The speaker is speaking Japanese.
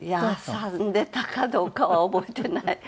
挟んでたかどうかは覚えてない。